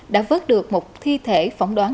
đã vớt được một thi thể phỏng đoán